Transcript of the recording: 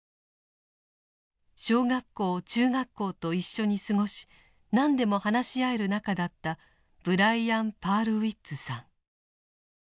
小学校中学校と一緒に過ごし何でも話し合える仲だったブライアン・パールウイッツさん。